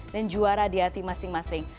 dan juara di hati masing masing